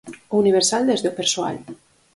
O universal desde o persoal.